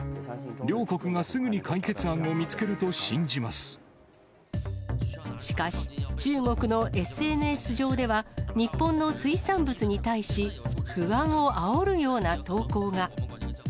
両国がすぐに解決案を見つけるとしかし、中国のＳＮＳ上では、日本の水産物に対し、不安をあおるような投稿が。